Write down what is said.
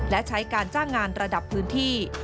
และใช้การจ้างงานระดับพื้นที่